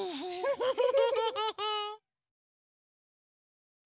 フフフフ。